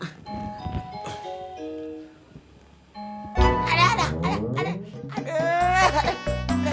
aduh aduh aduh